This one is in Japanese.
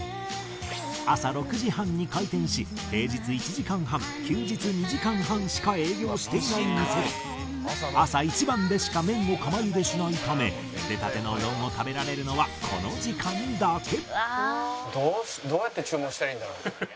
朝６時半に開店し平日１時間半休日２時間半しか営業していない店で朝一番でしか麺を釜茹でしないため茹でたてのうどんを食べられるのはこの時間だけ